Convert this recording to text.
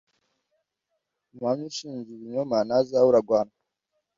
umuhamya ushinja ibinyoma ntazabura guhanwa